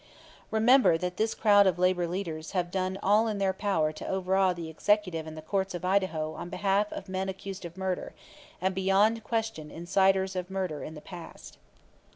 "Remember that this crowd of labor leaders have done all in their power to overawe the executive and the courts of Idaho on behalf of men accused of murder, and beyond question inciters of murder in the past."